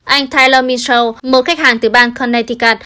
anh tyler mitchell một khách hàng từ bang connecticut